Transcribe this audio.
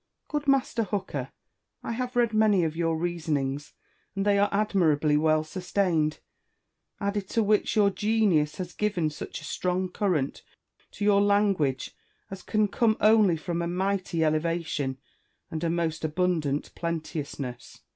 Bacon. Good Master Hooker, I have read many of your reasonings, and they are admirably well sustained : added to which, your genius has given such a strong current to your language as can come only from a mighty elevation and a most abundant plenteousness.